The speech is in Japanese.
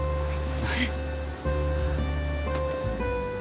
はい。